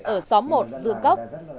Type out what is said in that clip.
ở xóm một dư cốc